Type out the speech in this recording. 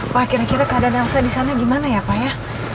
pak kira kira keadaan elsa disana gimana ya pak ya